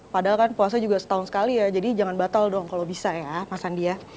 padahal kan puasa juga setahun sekali ya jadi jangan batal dong kalau bisa ya mas andi ya